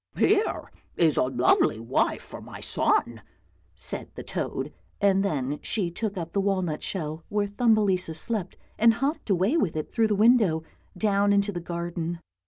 " Here is a lovely wife for my son," said the toad, and then she took up the walnut shell where Thumbelisa slept and hopped away with it through the window, down into the garden.